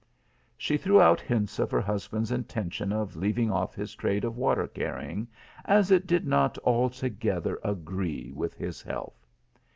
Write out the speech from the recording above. She threw out hints of her husband s intention of leaving oft his trade of water carrying, as it did not altogether agree with his health.